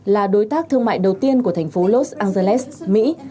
là đối tác thương mại đầu tiên của thành phố los angeles mỹ